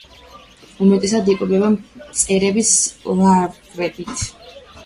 უმეტესად იკვებება მწერების ლარვებით.